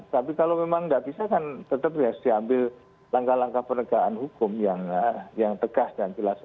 tapi kalau memang tidak bisa kan tetap harus diambil langkah langkah penegakan hukum yang tegas dan jelas